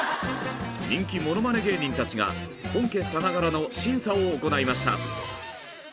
人気ものまね芸人たちが本家さながらの審査を行いました。